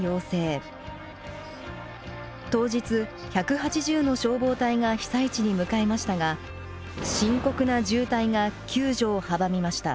当日１８０の消防隊が被災地に向かいましたが深刻な渋滞が救助を阻みました。